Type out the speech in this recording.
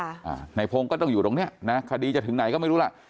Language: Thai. อ่าในพงศ์ก็ต้องอยู่ตรงเนี้ยนะคดีจะถึงไหนก็ไม่รู้ล่ะ